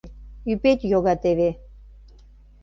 Ӱпет йога теве.